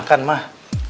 loh kok marah